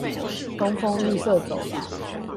東豐綠色走廊